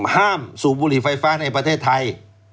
สูบบุหรี่ไฟฟ้าในประเทศไทย